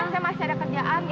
saya masih ada kerjaan